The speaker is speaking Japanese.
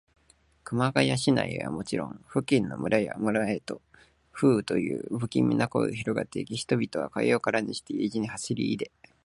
熊谷市内はもちろん、付近の町や村へも、そういうぶきみな声がひろがっていき、人々は家をからにして、街路へ走りいで、